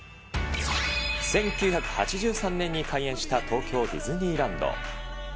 １９８３年に開園した東京ディズニーランド。